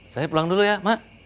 saya pulang dulu ya mak